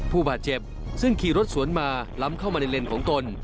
ผู้บาดเจ็บซึ่งขี่รถสวนมาล้ำเข้ามาในเลนส์ของตน